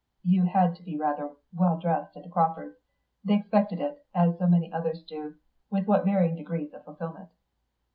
(You had to be rather well dressed at the Crawfords': they expected it, as so many others do, with what varying degrees of fulfilment!)